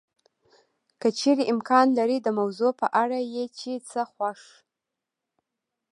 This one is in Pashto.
که چېرې امکان لري د موضوع په اړه یې چې څه خوښ